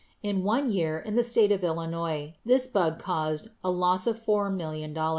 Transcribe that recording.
In one year in the state of Illinois this bug caused a loss of four million dollars.